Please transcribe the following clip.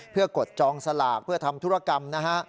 เพื่อกดจองสลากเพื่อทำธุรกรรมนะฮะ